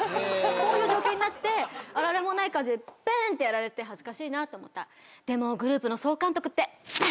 こういう状況になってあられもない感じでペンってやられて恥ずかしいと思ったら「でもグループの総監督って」ペン！